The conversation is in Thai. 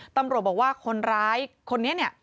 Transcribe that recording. ตำรวจบอกว่าคนร้ายคนนี้เนี่ย